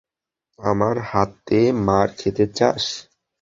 আমার হাতে মার খেতে চাস?